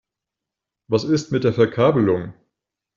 Was ist mit der Verkabelung?